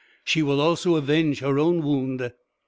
She will also avenge her own wound."